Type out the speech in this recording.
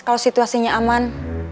kalau situasinya aman